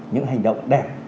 những hành động đẹp